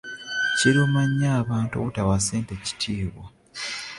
Kiruma nnyo abantu obutawa ssente kitiibwa.